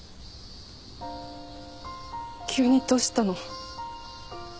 急にどうしたの？